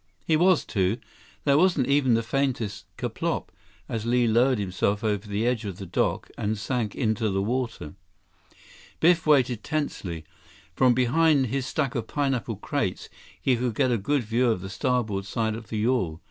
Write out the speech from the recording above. He was, too. There wasn't even the faintest "ker plop" as Li lowered himself over the edge of the dock and sank into the water. Biff waited tensely. From behind his stack of pineapple crates, he could get a good view of the starboard side of the yawl.